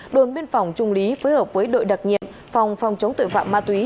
đồn biên phòng trung lý phối hợp với đội đặc nhiệm phòng phòng chống tội phạm ma túy